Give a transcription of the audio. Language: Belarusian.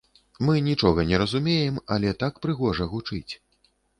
Мы нічога не разумеем, але так прыгожа гучыць.